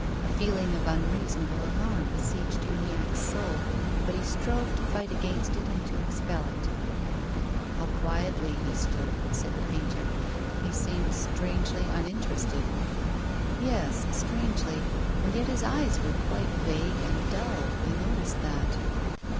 A feehng of unreasonable alarm besieged Uniacke's soul, but he strove to fight against and to expel it, " How quietly he stood," said the painter. " He seemed strangely interested." " Yes, strangely. And yet his eyes were quite vague and dull. I noticed that."